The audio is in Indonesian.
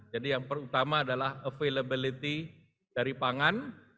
jadi yang pertama adalah availability dari pangan